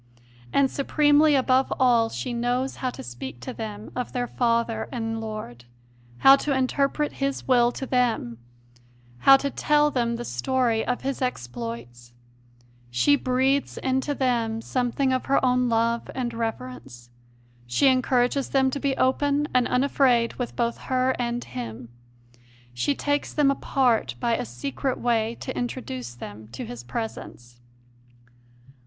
And, supremely above all, she knows how to speak to them of their Father and Lord, how to interpret His will to them, how to 160 CONFESSIONS OF A CONVERT tell them the story of His exploits; she breathes into them something of her own love and reverence; she encourages them to be open and unafraid with both her and Him; she takes them apart by a secret way to introduce them to His presence.